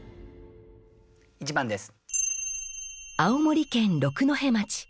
１番です。